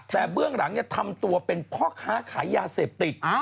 แต่เบื้องหลังทำตัวเป็นพ่อค้าขายยาเสพติด